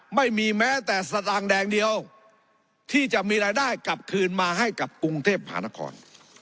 ไม่มีแม้แต่สตางค์แดงเดียวที่จะมีรายได้กลับคืนมาให้กับกรุงเทพหานคร